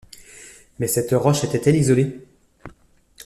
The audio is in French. Mais cette roche était-elle isolée?